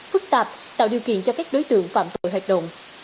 phức tạp tạo điều kiện cho các đối tượng phạm tội hoạt động